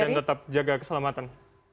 ya dan tetap jaga keselamatan